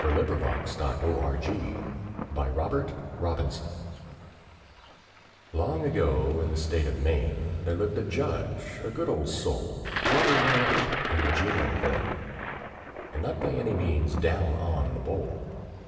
JUDGE WYMAN A RURAL YANKEE LEGEND Long ago, in the State of Maine, There lived a Judge—a good old soul, Rather well up in "genial vein," And not by any means "down on" the bowl.